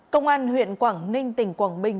công an huyện quảng ninh tỉnh quảng bình